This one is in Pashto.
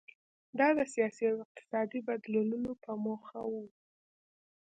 دا د سیاسي او اقتصادي بدلونونو په موخه و.